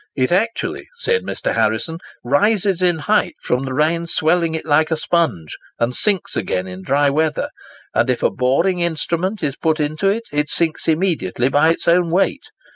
"It actually," said Mr. Harrison, "rises in height, from the rain swelling it like a sponge, and sinks again in dry weather; and if a boring instrument is put into it, it sinks immediately by its own weight.